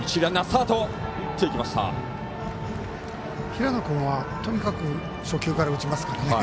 平野君は、とにかく初球から打ちますからね。